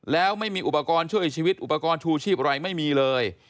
แล้วไม่มีอุปกรณ์ช่วยชีวิตอุปกรณ์ชูชีพอะไรไม่มีเลย